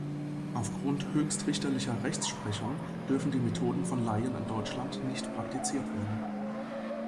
Aufgrund höchstrichterlicher Rechtsprechung dürfen die Methoden von Laien in Deutschland nicht praktiziert werden.